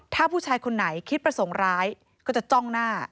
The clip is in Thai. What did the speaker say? ถ้าผู้ชายคนไหนคิดประสงค์ร้ายก็จะจ้องหน้า